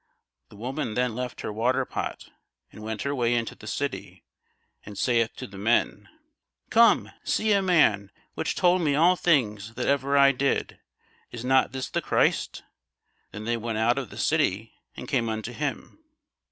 The woman then left her water pot, and went her way into the city, and saith to the men, Come, see a man, which told me all things that ever I did: is not this the Christ? Then they went out of the city, and came unto him.